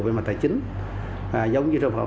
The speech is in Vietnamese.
về mặt tài chính giống như trường học